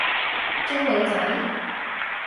追女仔？